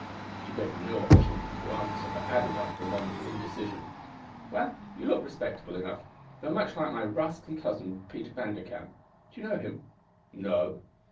She gave him no opportunity to answer, but added, after a moment of indecision, "Well, you look respectable enough, though much like my rascally cousin Pieter Vanderkamp. Do you know him?"_ _"No."